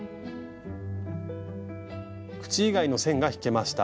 口以外の線が引けました。